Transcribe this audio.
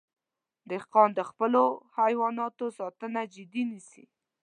دهقان د خپلو حیواناتو ساتنه جدي نیسي.